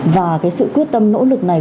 và cái sự quyết tâm nỗ lực này